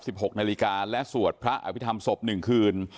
หกนาฬิกาและสวดพระอภิษฐรรมศพหนึ่งคืน